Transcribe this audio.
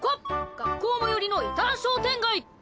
学校最寄りの伊旦商店街！